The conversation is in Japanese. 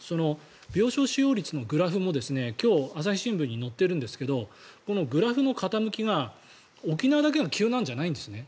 病床使用率のグラフも今日朝日新聞に載っているんですがグラフの傾きは沖縄だけが急なんじゃないんですね。